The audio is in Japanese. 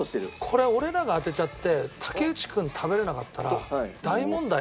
これ俺らが当てちゃって竹内君食べられなかったら大問題。